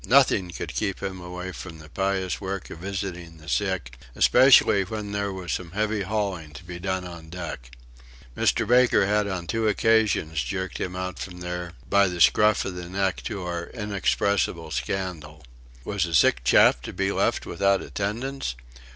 Nothing could keep him away from the pious work of visiting the sick, especially when there was some heavy hauling to be done on deck. Mr. Baker had on two occasions jerked him out from there by the scruff of the neck to our inexpressible scandal. Was a sick chap to be left without attendance?